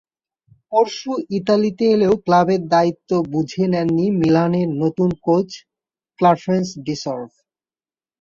পরশু ইতালিতে এলেও ক্লাবের দায়িত্ব বুঝে নেননি মিলানের নতুন কোচ ক্লারেন্স সিডর্ফ।